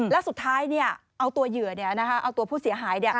แล้วสุดท้ายเอาตัวเหยื่อเอาตัวผู้เสียหาย